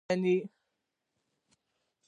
حسي غړي محرکونه تشخیص یا پېژني.